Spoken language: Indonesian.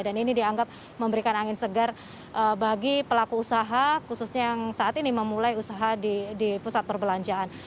dan ini dianggap memberikan angin segar bagi pelaku usaha khususnya yang saat ini memulai usaha di pusat perbelanjaan